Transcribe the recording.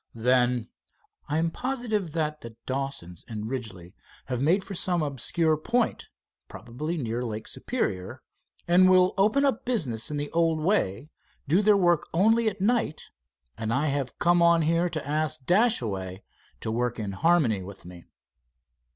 "Then " "I am positive that the Dawsons and Ridgely have made for some obscure point, probably near Lake Superior, and will open up business in the old way, do their work only at night, and I have come on here to ask Dashaway to work in harmony with me."